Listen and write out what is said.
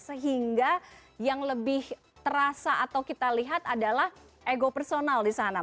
sehingga yang lebih terasa atau kita lihat adalah ego personal di sana